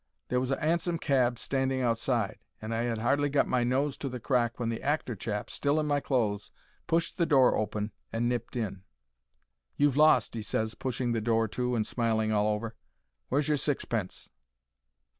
There was a 'ansom cab standing outside, and I 'ad hardly got my nose to the crack when the actor chap, still in my clothes, pushed the door open and nipped in. "You've lost," he ses, pushing the door to and smiling all over. "Where's your sixpence?"